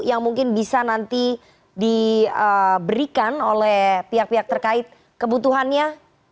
yang mungkin bisa nanti diberikan oleh pihak pihak terkait kebutuhannya